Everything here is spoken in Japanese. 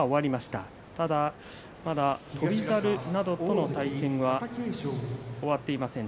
ただ、翔猿などとの対戦は終わっていません。